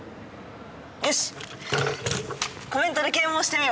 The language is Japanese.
よし！